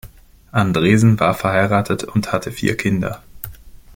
Andresen war verheiratet und hatte vier Kinder.